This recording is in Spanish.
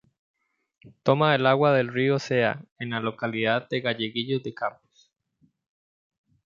Toma el agua del río Cea en la localidad de Galleguillos de Campos.